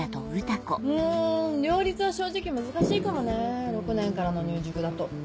ん両立は正直難しいかもね６年からの入塾だと。